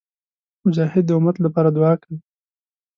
مجاهد د امت لپاره دعا کوي.